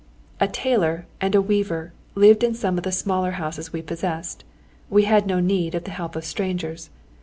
A tailor and a weaver lived in some of the smaller houses we possessed; we had no need of the help of strangers.